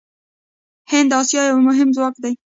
هند د اسیا یو مهم ځواک دی.